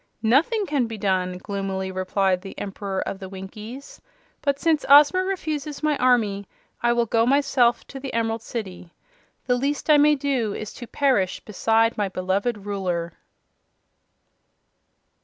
"Nothing can be done!" gloomily replied the Emperor of the Winkies. "But since Ozma refuses my army I will go myself to the Emerald City. The least I may do is to perish beside my beloved Ruler."